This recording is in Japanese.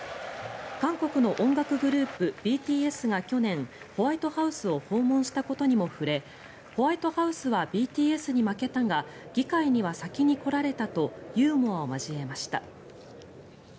韓国の音楽グループ、ＢＴＳが去年ホワイトハウスを訪問したことにも触れホワイトハウスはＢＴＳに負けたが議会には先に来られたとユーモアを交えました。